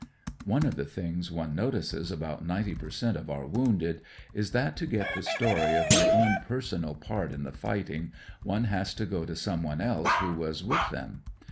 One of the things one notices about ninety per cent, of our wounded is that to get the story of their own personal part in the fighting one has to go to someone else who was with them.